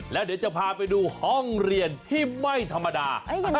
แล้วเดี๋ยวจะพาไปดูห้องเรียนที่ไม่ธรรมดา